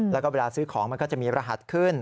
แล้วก็เวลาซื้อของมันก็จะมีรหัสขึ้น